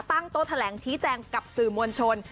โต๊ะแถลงชี้แจงกับสื่อมวลชน